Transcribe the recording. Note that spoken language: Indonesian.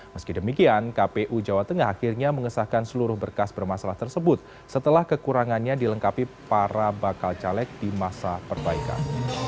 meski demikian kpu jawa tengah akhirnya mengesahkan seluruh berkas bermasalah tersebut setelah kekurangannya dilengkapi para bakal caleg di masa perbaikan